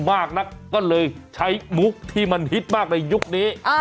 มากนักก็เลยใช้มุกที่มันฮิตมากในยุคนี้